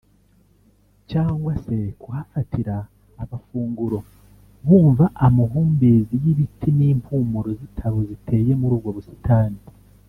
cyangwa se kuhafatira abafunguro bumva amahumbezi y’ibiti n’impumuro z’itabo ziteye muri ubwo busitani